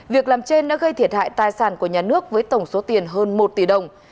việc làm trên đã gây thiệt hại tài sản của nhà nước với tổng số tiền hơn một tỷ đồng